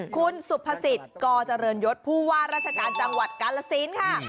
คุณสุภสิทธิ์กเจริญยศผู้ว่าราชการจังหวัดกาลสินค่ะ